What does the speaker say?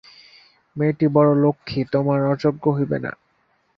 মেয়েটি বড়ো লক্ষ্মী, তোমার অযোগ্য হইবে না।